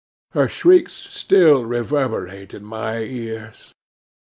Her shrieks still reverberate in my ears!